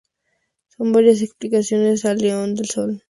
Son varias las explicaciones al león y el sol.